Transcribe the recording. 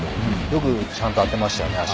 よくちゃんと当てましたね。